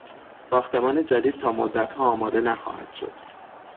ساختمان جدید تا مدتها آماده نخواهد شد.